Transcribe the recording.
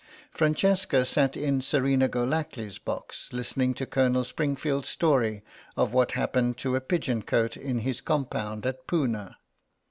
Francesca sat in Serena Golackly's box listening to Colonel Springfield's story of what happened to a pigeon cote in his compound at Poona.